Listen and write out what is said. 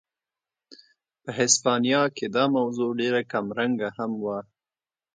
په هسپانیا کې دا موضوع ډېره کمرنګه هم وه.